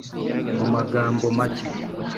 mu magambo macye,